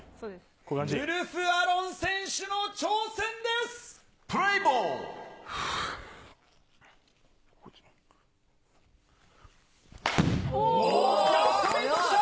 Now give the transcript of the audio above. ウルフ・アロン選手の挑戦でおー！